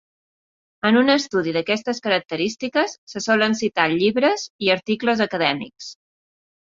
En un estudi d'aquestes característiques, se solen citar llibres i articles acadèmics.